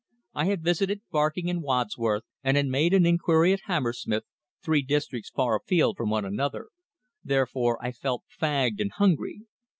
I had visited Barking and Wandsworth, and had made an inquiry at Hammersmith, three districts far afield from one another, therefore I felt fagged and hungry.